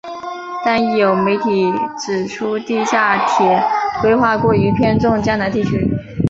但亦有媒体指出地下铁规划过于偏重江南地区。